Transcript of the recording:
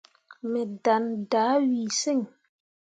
Me ɗaŋne dah wii sen.